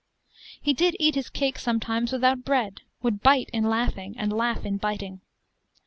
He did eat his cake sometimes without bread, would bite in laughing, and laugh in biting.